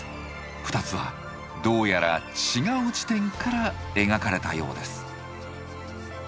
２つはどうやら違う地点から描かれたようです。